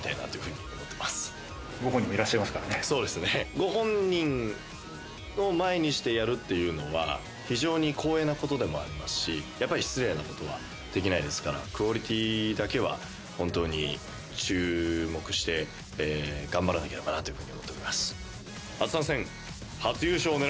ご本人を前にしてやるっていうのは非常に光栄なことでもありますしやっぱり失礼なことはできないですからクオリティーだけは本当に注目して頑張らなければなというふうに思っております。